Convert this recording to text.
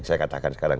saya katakan sekarang